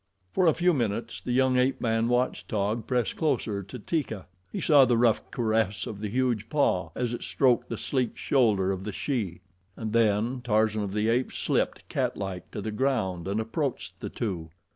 For a few minutes the young ape man watched Taug press closer to Teeka. He saw the rough caress of the huge paw as it stroked the sleek shoulder of the she, and then Tarzan of the Apes slipped catlike to the ground and approached the two.